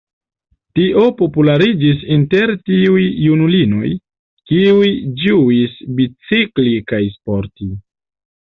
Tio populariĝis inter tiuj junulinoj, kiuj ĝuis bicikli kaj sporti.